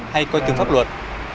hay coi tướng pháp luật